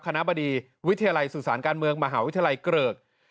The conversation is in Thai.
บดีวิทยาลัยสื่อสารการเมืองมหาวิทยาลัยเกริก